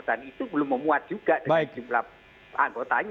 itu belum memuat juga dengan jumlah anggotanya